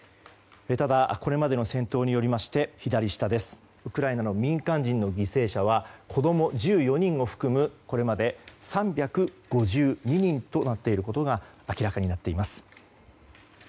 ただ、これまでの戦闘によりウクライナの民間人の犠牲者は子供１４人を含むこれまで３５２人となっていることが明らかになっています。